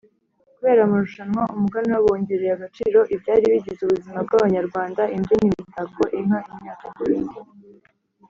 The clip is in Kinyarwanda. Kubera amarushanwa, Umuganura wongereye agaciro ibyari bigize ubuzima bw’abanyarwanda; imbyino, imitako, inka, imyaka n’ibindi